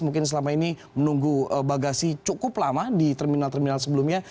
mungkin selama ini menunggu bagasi cukup lama di terminal terminal sebelumnya